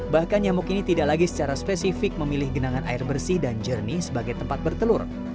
bahkan nyamuk ini tidak lagi secara spesifik memilih genangan air bersih dan jernih sebagai tempat bertelur